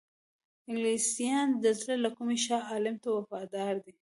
انګلیسیان د زړه له کومي شاه عالم ته وفادار دي.